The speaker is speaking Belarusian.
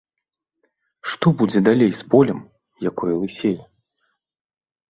Што будзе далей з полем, якое лысее?